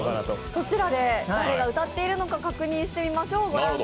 そちらで誰が歌っているのか確認してみましょう。